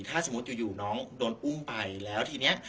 ถ้าอยู่น้องโดนปุ้มไปแล้ว